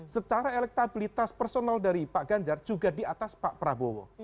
secara elektabilitas personal dari pak ganjar juga di atas pak prabowo